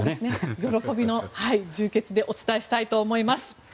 喜びの充血でお伝えしたいと思います。